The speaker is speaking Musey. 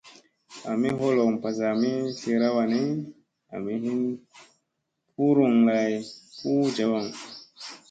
Ami holoŋ mbazami slira wani, ami hin puuryŋ lay, puu njavaŋ.